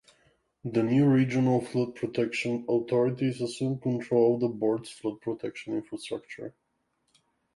The new regional flood-protection authorities assumed control of the Board's flood-protection infrastructure.